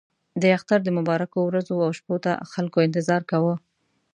د اختر د مبارکو ورځو او شپو ته خلکو انتظار کاوه.